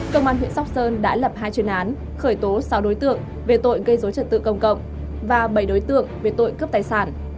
công an huyện sóc sơn đã lập hai chuyên án khởi tố sáu đối tượng về tội gây dối trật tự công cộng và bảy đối tượng về tội cướp tài sản